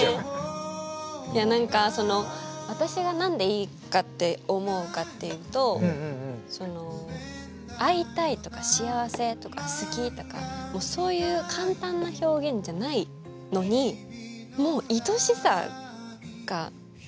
いや何かその私が何でいいかって思うかっていうとその会いたいとか幸せとか好きとかそういう簡単な表現じゃないのにもういとしさが詰まってるっていうか